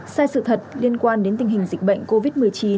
sai sự thật liên quan đến tình hình dịch bệnh covid một mươi chín